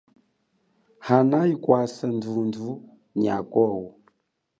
Hanayi kwasa ndhundhu nyakowo.